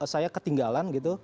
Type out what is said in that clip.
saya ketinggalan gitu